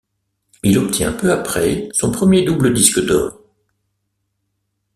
Il obtient peu après son premier double disque d'or.